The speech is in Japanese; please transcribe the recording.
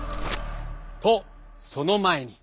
とその前に。